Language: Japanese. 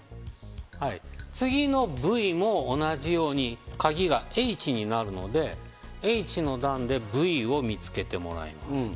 次のＶも同じように鍵がＨになるのでＨの段でＶを見つけてもらいます。